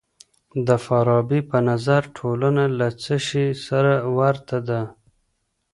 د فارابي په نظر ټولنه له څه سي سره ورته ده؟